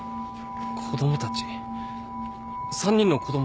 子供たち３人の子供たち。